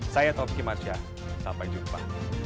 saya tom kimarja sampai jumpa